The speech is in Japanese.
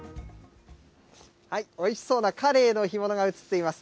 おいしそうなカレイの干物が映っています。